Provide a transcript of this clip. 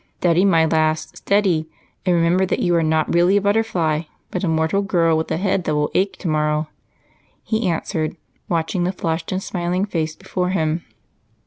"Steady, my lass, steady, and remember that you are not really a butterfly but a mortal girl with a head that will ache tomorrow," he answered, watching the flushed and smiling face before him.